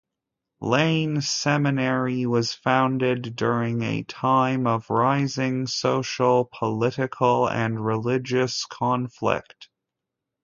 Lane Seminary was founded during a time of rising social, political and religious conflict.